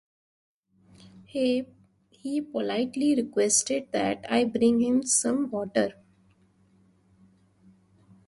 He politely requested that I bring him some water.